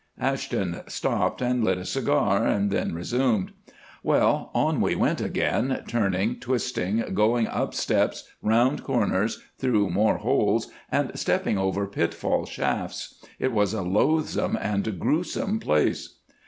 '" Ashton stopped and lit a cigar, then resumed. "Well, on we went again, turning, twisting, going up steps, round corners, through more holes, and stepping over pitfall shafts. It was a loathsome and gruesome place.